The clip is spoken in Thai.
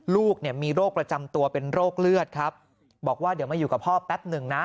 ลูกเนี่ยมีโรคประจำตัวเป็นโรคเลือดครับบอกว่าเดี๋ยวมาอยู่กับพ่อแป๊บหนึ่งนะ